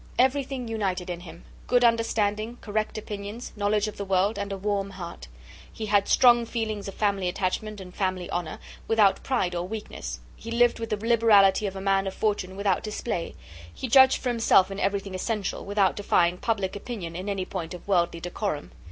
Everything united in him; good understanding, correct opinions, knowledge of the world, and a warm heart. He had strong feelings of family attachment and family honour, without pride or weakness; he lived with the liberality of a man of fortune, without display; he judged for himself in everything essential, without defying public opinion in any point of worldly decorum.